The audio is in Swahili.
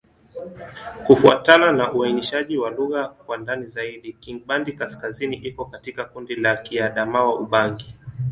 Kufuatana na uainishaji wa lugha kwa ndani zaidi, Kingbandi-Kaskazini iko katika kundi la Kiadamawa-Ubangi.